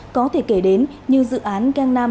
có thể kể đến như dự án gangnam